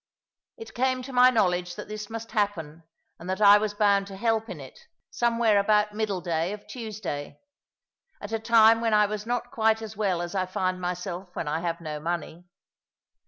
It came to my knowledge that this must happen, and that I was bound to help in it, somewhere about middle day of Tuesday; at a time when I was not quite as well as I find myself when I have no money.